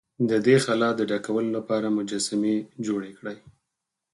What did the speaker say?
د دې خلا د ډکولو لپاره مجسمې جوړې کړې.